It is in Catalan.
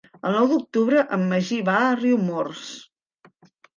El nou d'octubre en Magí va a Riumors.